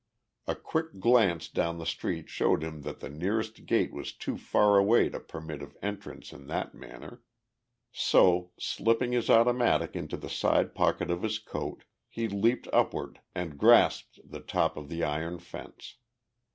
A quick glance down the street showed him that the nearest gate was too far away to permit of entrance in that manner. So, slipping his automatic into the side pocket of his coat he leaped upward and grasped the top of the iron fence.